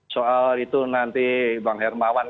soal itu nanti bang hermawan